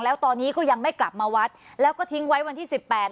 แล้วตอนนี้ก็ยังไม่กลับมาวัดแล้วก็ทิ้งไว้วันที่สิบแปด